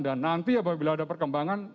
dan nanti ya bila ada perkembangan